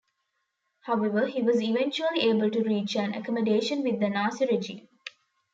However, he was eventually able to reach an accommodation with the Nazi regime.